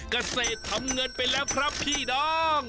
เกษตรทำเงินไปแล้วครับพี่น้อง